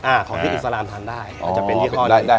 อ่าของที่อิสลามทานได้อ๋อได้ค่ะเรานะ